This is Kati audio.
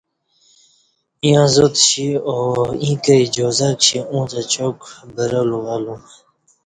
ییں ازاد کشی او ایں کہ اجازہ کشی اُݩڅ اچاک برہلو الوم